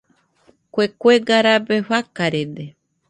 Kue kuega rabe rafarede.